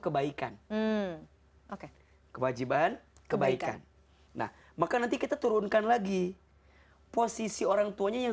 kebaikan oke kewajiban kebaikan nah maka nanti kita turunkan lagi posisi orangtuanya yang